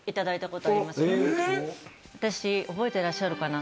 覚えてらっしゃるかな？